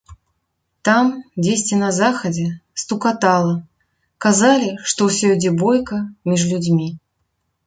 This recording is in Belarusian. Там, дзесьці на захадзе, стукатала, казалі, што ўсё ідзе бойка між людзьмі.